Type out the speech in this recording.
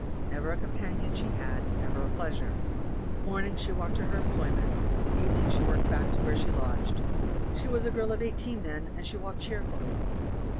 Never a companion she had, never a pleasure. INIornings she walked to her employment; even ings she walked back to where she lodged. She was a girl of eighteen then, and she walked cheer fully.